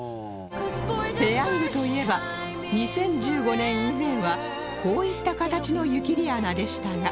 ペヤングといえば２０１５年以前はこういった形の湯切り穴でしたが